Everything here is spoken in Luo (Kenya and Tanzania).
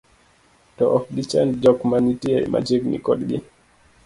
to ok gichand jok manitie machiegni kodgi